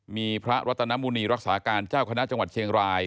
มีพระรัตนมุณีรักษาการเจ้าคณะจังหวัดเชียงราย